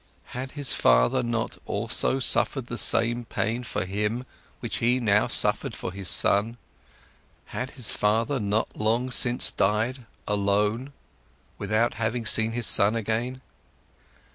Had his father not also suffered the same pain for him, which he now suffered for his son? Had his father not long since died, alone, without having seen his son again?